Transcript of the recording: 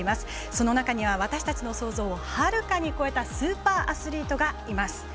その中には、私たちの想像をはるかに超えたスーパーアスリートがいます。